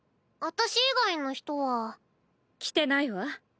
私以外の人は？来てないわ。